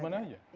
di mana saja